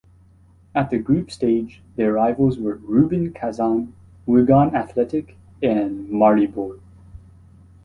At the group stage their rivals were Rubin Kazan, Wigan Athletic and Maribor.